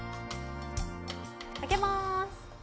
開けます。